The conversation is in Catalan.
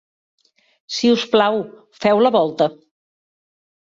Si us plau, feu la volta.